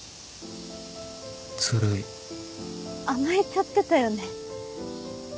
ズルい甘えちゃってたよね。